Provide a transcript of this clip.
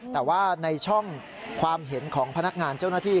แต่ว่าในช่องความเห็นของพนักงานเจ้าหน้าที่